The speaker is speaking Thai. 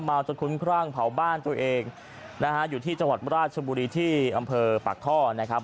จนคุ้มครั่งเผาบ้านตัวเองนะฮะอยู่ที่จังหวัดราชบุรีที่อำเภอปากท่อนะครับ